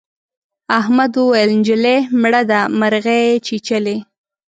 احمد وويل: نجلۍ مړه ده مرغۍ چیچلې.